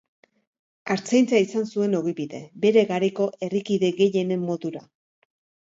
Artzaintza izan zuen ogibide, bere garaiko herrikide gehienen modura.